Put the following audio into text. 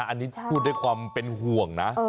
อันนี้พูดด้วยความเป็นห่วงนะ